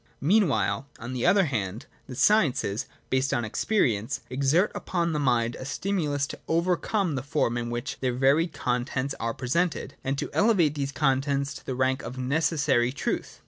Mean while, on the other hand, the sciences, based on experi ence, exert upon the mind a stimulus to overcome the form in which their varied contents are presented, and , to elevate these contents to the rank of necessary truth.